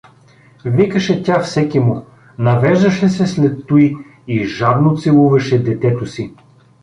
— викаше тя всекиму, навеждаше се след туй и жадно целуваше детето си.